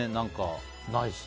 ないです。